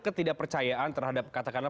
ketidakpercayaan terhadap katakanlah